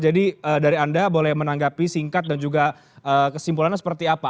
jadi dari anda boleh menanggapi singkat dan juga kesimpulannya seperti apa